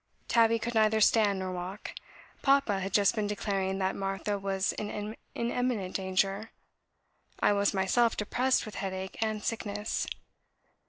Tabby could neither stand nor walk. Papa had just been declaring that Martha was in imminent danger. I was myself depressed with headache and sickness.